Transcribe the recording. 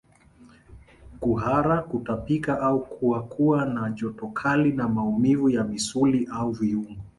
Kuhara kutapika au kuwa kuwa na joto kali na maumivu ya misuli au viungo